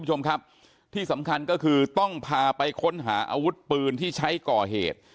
คุณผู้ชมครับที่สำคัญก็คือต้องพาไปค้นหาอาวุธปืนที่ใช้ก่อเหตุ